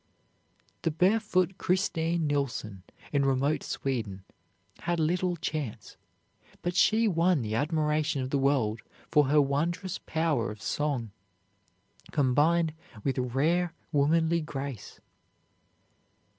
The barefoot Christine Nilsson in remote Sweden had little chance, but she won the admiration of the world for her wondrous power of song, combined with rare womanly grace.